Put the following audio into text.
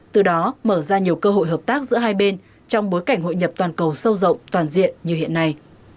từ đó mở ra nhiều cơ hội hợp tác giữa hai bên trong bối cảnh hội nhập toàn cầu sâu rộng toàn diện như hiện nay